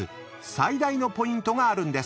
最大のポイントがあるんです］